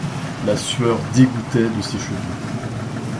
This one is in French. La sueur dégouttait de ses cheveux.